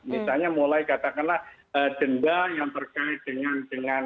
misalnya mulai katakanlah denda yang terkait dengan